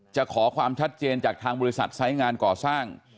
จะขอความชัดเจนจากทางบริษัทไซส์งานก่อสร้าง